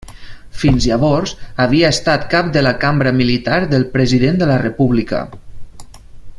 Fins llavors havia estat cap de la Cambra militar del President de la República.